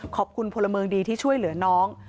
ขอบคุณพลเมิงดีที่ช่วยเหลือน้อง